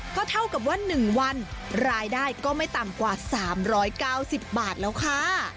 ก็เท่ากับว่า๑วันรายได้ก็ไม่ต่ำกว่า๓๙๐บาทแล้วค่ะ